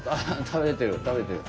食べれてる食べれてる。